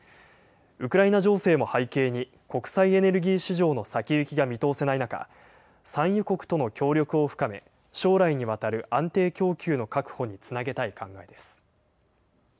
ウクライナ情勢も背景に国際エネルギー市場の先行きが見通せない中、産油国との協力を深め、将来にわたる安定供給の確保につなげたい考えです。